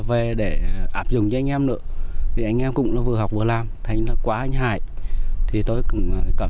về để áp dụng cho anh em nữa thì anh em cũng vừa học vừa làm thành là quá anh hải thì tôi cũng cảm